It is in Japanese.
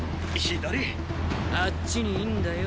あっちにいんだよ